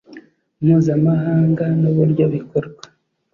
mpuzamahanga n uburyo bikorwa